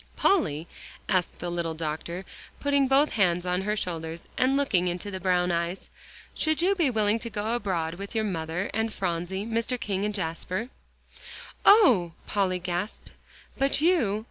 "Polly," asked the little doctor, putting both hands on her shoulders, and looking into the brown eyes, "should you be willing to go abroad with your mother and Phronsie, Mr. King and Jasper?" "Oh!" Polly gasped. "But you?"